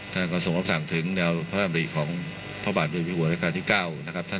ทรงมีลายพระราชกระแสรับสู่ภาคใต้